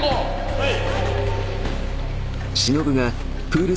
はい。